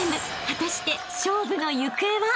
［果たして勝負の行方は？］